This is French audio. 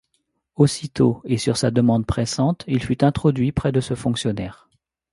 Aussitôt, et sur sa demande pressante, il fut introduit près de ce fonctionnaire.